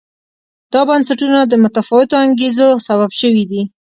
دا بنسټونه د متفاوتو انګېزو سبب شوي دي.